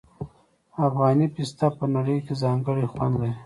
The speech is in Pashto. افغاني پسته په نړۍ کې ځانګړی خوند لري.